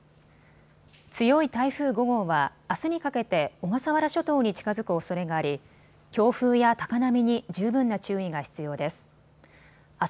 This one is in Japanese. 強い台風５号は、あすにかけて小笠原諸島に近づくおそれがあり強風や高波に十分な注意が必要です。